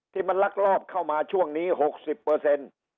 ที่มันลักลอบเข้ามาช่วงนี้หกสิบเปอร์เซ็นต์